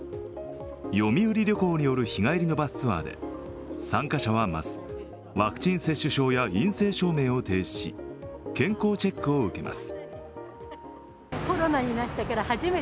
読売旅行による日帰りのバスツアーで参加者はまず、ワクチン接種書や陰性証明を提示し健康チェックを受けます。